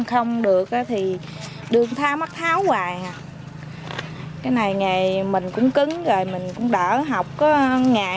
không được thì đưa tháo mắt tháo hoài à ừ cái này ngày mình cũng cứng rồi mình cũng đỡ học có ngày